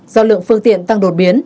do lượng phương tiện tăng đột biến